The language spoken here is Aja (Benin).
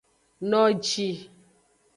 Noji.